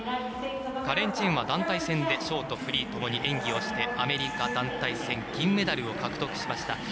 カレン・チェンは団体戦でショート、フリーともに演技をしてアメリカ団体戦銀メダルを獲得しました。